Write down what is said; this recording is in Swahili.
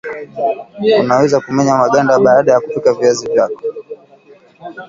unaweza kumenya maganda baada kupika viazi vyako